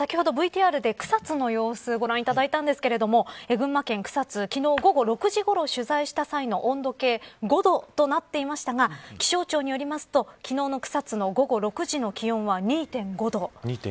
先ほどＶＴＲで、草津の様子ご覧いただいたんですけど群馬県草津午後６時ごろ取材した際の温度計５度となっていましたが気象庁によりますと昨日の草津の午後６時の気温は２．５度。